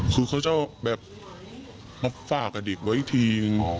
คือเขาจะแบบฝากกระดิกไว้ที